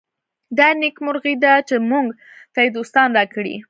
دا نېکمرغي ده چې موږ ته یې دوستان راکړي.